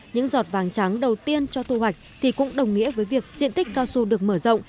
những giọt vàng trắng đầu tiên cho thu hoạch thì cũng đồng nghĩa với việc diện tích cao su được mở rộng